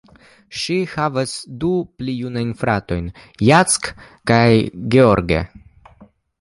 Ŝi havas du pli junajn fratojn, Jack kaj George.